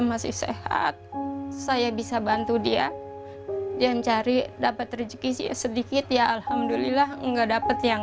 masih sehat saya bisa bantu dia dan cari dapat rezeki sedikit ya alhamdulillah nggak dapet yang